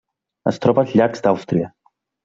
Es troba als llacs d'Àustria.